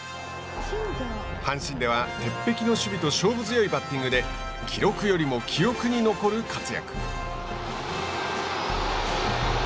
阪神では鉄壁の守備と勝負強いバッティングで「記録よりも記憶に残る」活躍。